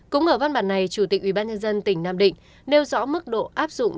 cũng ở văn bản này chủ tịch ubnd tỉnh nam định nêu rõ mức độ áp dụng